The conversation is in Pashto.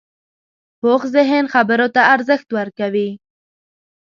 پوخ ذهن خبرو ته ارزښت ورکوي